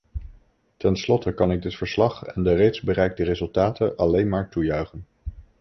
Tenslotte kan ik dit verslag en de reeds bereikte resultaten alleen maar toejuichen.